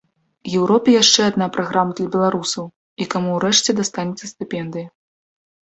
Еўропе яшчэ адна праграма для беларусаў, і каму ўрэшце дастанецца стыпендыя.